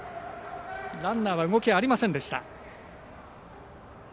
ランナーが動きありませんでした。